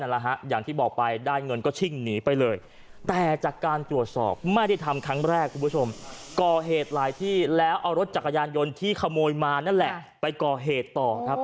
รถจักรยานยนต์ที่ขโมยมานั่นแหละไปก่อเหตุต่อครับ